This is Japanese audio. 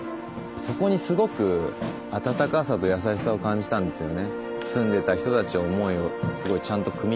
そこにすごく温かさと優しさを感じたんですよね。